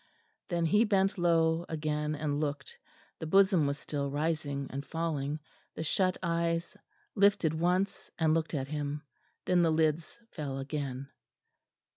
_" Then he bent low again and looked; the bosom was still rising and falling, the shut eyes lifted once and looked at him. Then the lids fell again.